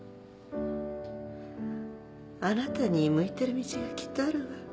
あなたに向いてる道がきっとあるわ